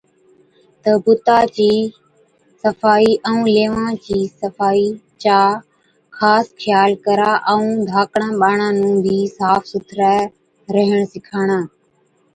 تہ بُتا چِي صفائِي ائُون ليوان چِي صفائِي چا خاص خيال ڪرا ائُون ڌاڪڙان ٻاڙان نُون بِي صاف سُٿرَي ريهڻ سِکاڻا۔